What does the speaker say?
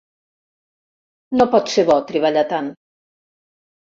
No pot ser bo, treballar tant.